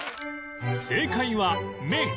正解は面